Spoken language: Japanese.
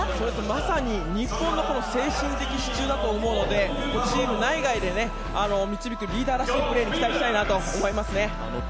まさに日本の精神的支柱だと思うのでチーム内外で導くリーダーらしいプレーに期待したいと思いますね。